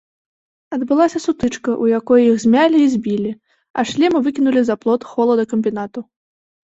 Адбылася сутычка, у якой іх змялі і збілі, а шлемы выкінулі за плот холадакамбінату.